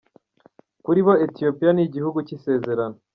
Kuri bo Ethiopiya ni igihugu cy’isezerano.